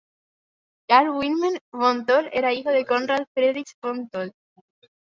Karl Wilhelm von Toll era hijo de Conrad Friedrich von Toll.